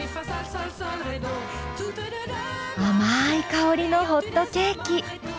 甘い香りのホットケーキ。